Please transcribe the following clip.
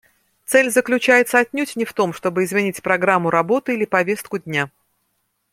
Цель заключается отнюдь не в том, чтобы изменить программу работы или повестку дня.